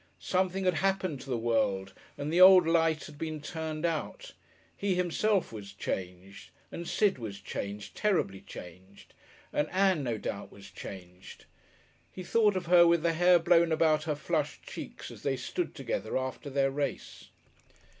Something had happened to the world and the old light had been turned out. He himself was changed, and Sid was changed, terribly changed, and Ann no doubt was changed. He thought of her with the hair blown about her flushed cheeks as they stood together after their race....